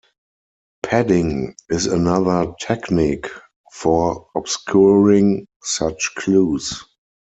Padding is another technique for obscuring such clues.